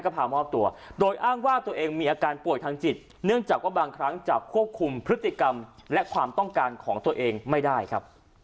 ยอมรับว่าเราทำจริงเราทำยังไงบ้างดี